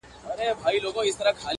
• چي د ارواوو په نظر کي بند سي.